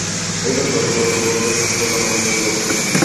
গৌতম বুদ্ধ শাক্য জনগোষ্ঠীর লোক ছিলেন।